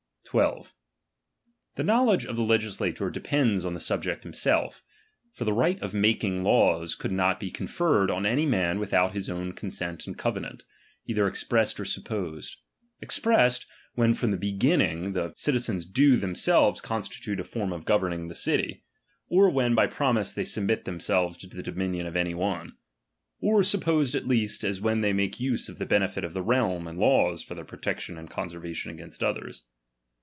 12. The knowledge of the legislator depends ■" on the subject himself ; for the right of making u, laws could not be conferred on any man without his own consent and covenant, either expressed or siq>posed ; expressed, when from the beginning the 192 DOMINION. I ■, citizens do themselves constitute a form of govern ing the city, or when by promise they submit them selves to the dominion of any one ; or supposed at least, as when they make use of the benefit of the realm and laws for their protection and conserva tion against others.